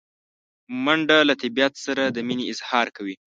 منډه له طبیعت سره د مینې اظهار دی